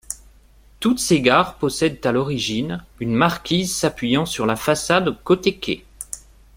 Toutes ces gares possèdent à l’origine, une marquise s’appuyant sur la façade côté quai.